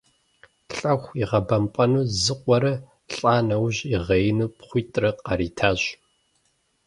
Лӏэху игъэбэмпӏэну зы къуэрэ, лӏа нэужь ягъеину пхъуитӏрэ къаритащ.